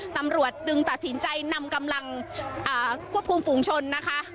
ตำรวจจึงตัดสินใจนำกำลังควบคุมฝูงชนนะคะ